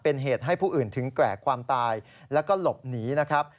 เป็นเหตุให้ผู้อื่นถึงแก่ความตายแล้วก็หลบหนีนะครับ